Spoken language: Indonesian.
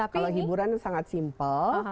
kalau hiburan sangat simpel